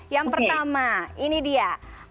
yang pertama ini dia